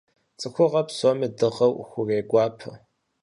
ЦӀыхугъэр псоми дыгъэу хурегуапэ.